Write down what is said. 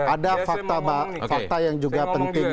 ada fakta yang juga penting